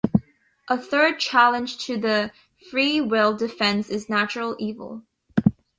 A third challenge to the free will defence is natural evil.